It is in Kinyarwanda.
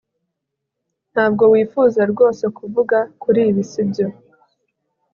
Ntabwo wifuza rwose kuvuga kuri ibi sibyo